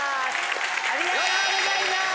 ありがとうございます。